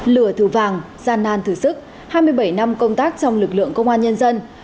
lửa thử vàng gian nan thử sức hai mươi bảy năm công tác trong lực lượng công an nhân dân